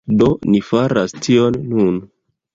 Do, ni faras tion nun